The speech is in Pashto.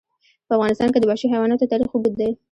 په افغانستان کې د وحشي حیواناتو تاریخ اوږد دی.